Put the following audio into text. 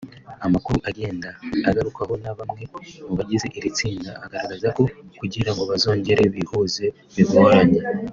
Amakuru agenda agarukwaho na bamwe mu bagize iri tsinda agaragaza ko kugirango bazongere bihuze bigoranye